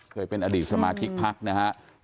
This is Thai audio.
เคยเป็นอดีตสมาชิกพักนะครับ